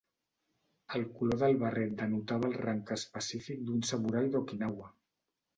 El color del barret denotava el rang específic d'un samurai d'Okinawa.